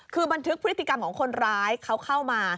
คือบันทึกพฤติกรรมของคนร้ายเขาเข้ามา